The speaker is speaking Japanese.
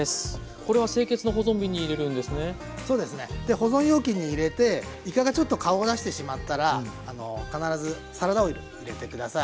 保存容器に入れていかがちょっと顔を出してしまったら必ずサラダオイル入れて下さい。